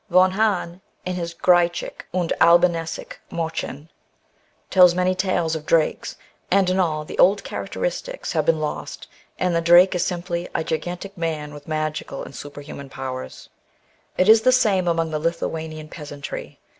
Von Hahn, in his Griechische und Alhan esische Mdrchen, tells many tales of drakes, and in all, the old characteristics have been lost, and the drake is simply a gigantic man with magical and superhuman powers. It is the same among the Lithuanian peasantry.